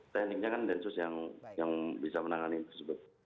saya nikmati densus yang bisa menangani tersebut